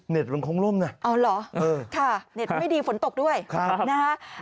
เน็ตมันคงล่มน่ะค่ะเน็ตไม่ดีฝนตกด้วยนะฮะ